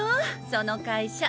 その会社。